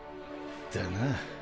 だな。